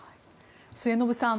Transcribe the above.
末延さん